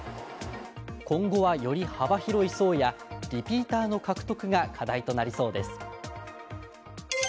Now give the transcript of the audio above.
今後は、より幅広い層やリピーターの獲得が課題となりそうです。